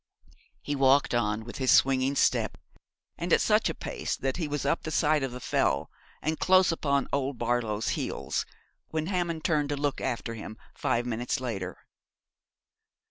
He walked on with his swinging step, and at such a pace that he was up the side of the Fell and close upon old Barlow's heels when Hammond turned to look after him five minutes later.